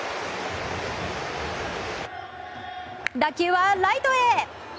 打球はライトへ。